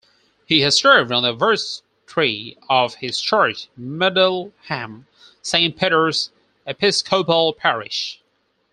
He has served on the Vestry of his church, Middleham-St.Peters Episcopal Parish.